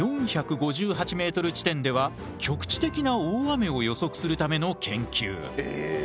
４５８ｍ地点では局地的な大雨を予測するための研究。